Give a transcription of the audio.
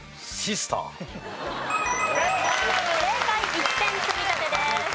１点積み立てです。